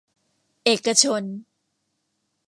เอกชน